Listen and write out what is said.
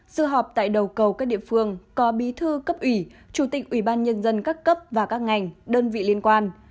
dự họp tại đầu cầu các địa phương có bí thư cấp ủy chủ tịch ủy ban nhân dân các cấp và các ngành đơn vị liên quan